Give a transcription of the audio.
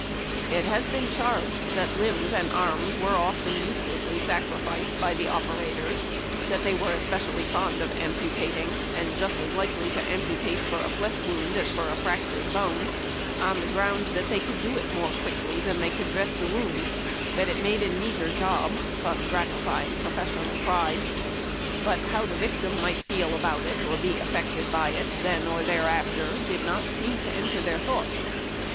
309 It has been charged that limbs and arms were often use lessly sacrificed by the operators ; that they were especiallj^ fond of amputating, and just as likely to amputate for a flesh wound as for a fractured bone, on tlie ground that thev could do it more quickly than they could dress the wound; A FOLDING LITTEK. that it made a neater job, thus gratifying professional pride : but how the victim might feel about it or be affected by it then or thereafter did not seem to enter their thoughts.